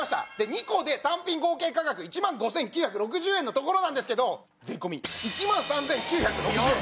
２個で単品合計価格１万５９６０円のところなんですけど税込１万３９６０円！